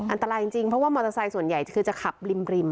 อันตรายจริงเพราะว่ามอเตอร์ไซค์ส่วนใหญ่คือจะขับริม